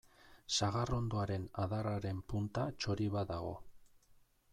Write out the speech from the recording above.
Sagarrondoaren adarraren punta txori bat dago.